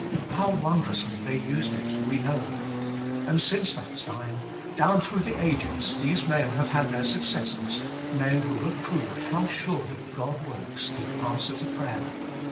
How wondrously they used it we know. And since that time, down through the ages, these men have had their successors, men who have proved how surely God works in answer to prayer.